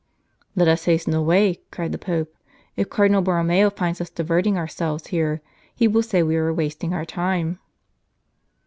" Let us hasten away," cried the Pope. " If Cardinal Borromeo finds us diverting ourselves here, he will say we are wasting our time."